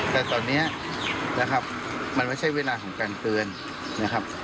แต่ตอนนี้นะครับมันไม่ใช่เวลาของการเตือนนะครับ